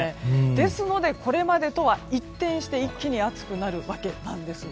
ですので、これまでとは一転して一気に暑くなるわけです。